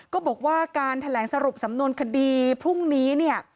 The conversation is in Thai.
ก็บอกว่าการแถลงสรุปสำนวนคดีพรุ่งนี้เนี่ย